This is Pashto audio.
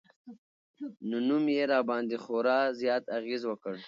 نو نوم يې راباندې خوړا زيات اغېز وکړ